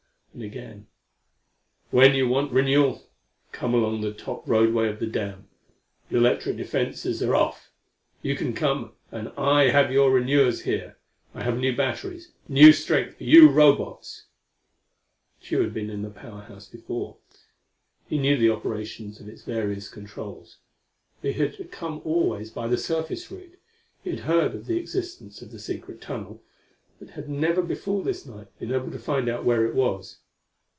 _" And again: "_When you want renewal, come along the top roadway of the dam. The electric defenses are off. You can come, and I have your renewers here. I have new batteries, new strength for you Robots!_" [Footnote 4: Tugh had been in the Power House before. He knew the operations of its various controls. But he had come always by the surface route; he had heard of the existence of the secret tunnel, but had never before this night been able to find out where it was.